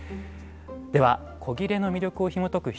では古裂の魅力をひもとく